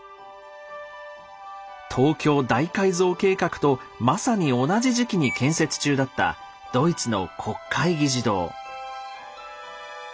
東京大改造計画とまさに同じ時期に建設中だったドイツの国会議事堂。